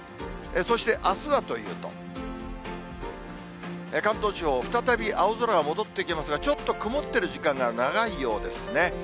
そしてあすはというと、関東地方、再び青空が戻ってきますが、ちょっと曇ってる時間が長いようですね。